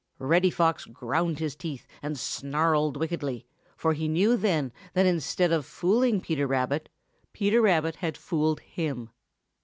Reddy Fox ground his teeth and snarled wickedly, for he knew then that instead of fooling Peter Rabbit, Peter Rabbit had fooled him.